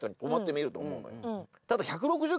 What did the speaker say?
ただ。